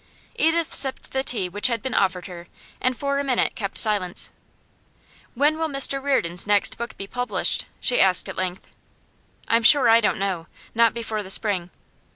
Edith sipped the tea which had been offered her, and for a minute kept silence. 'When will Mr Reardon's next book be published?' she asked at length. 'I'm sure I don't know. Not before the spring.